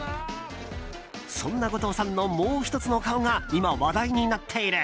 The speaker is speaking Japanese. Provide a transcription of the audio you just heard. そんな後藤さんのもう１つの顔が今、話題になっている。